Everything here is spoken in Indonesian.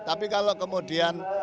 tapi kalau kemudian